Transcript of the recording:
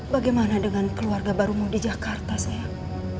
bagaimana dengan keluarga baru mau di jakarta sayang